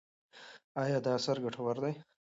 ایا دا اثر ګټور دی؟